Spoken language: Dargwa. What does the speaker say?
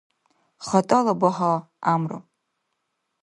Хатӏала багьа — гӏямру